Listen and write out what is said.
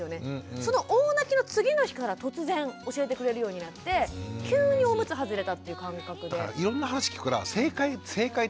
その大泣きの次の日から突然教えてくれるようになって急におむつ外れたっていう感覚で。